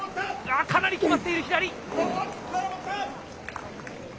かなり決まっている、左。